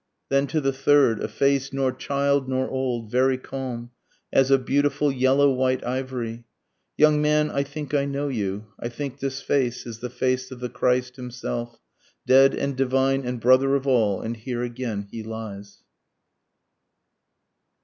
Then to the third a face nor child nor old, very calm, as of beautiful yellow white ivory; Young man I think I know you I think this face is the face of the Christ himself, Dead and divine and brother of all, and here again he lies.